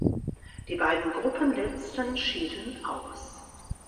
Die beiden Gruppenletzten schieden aus.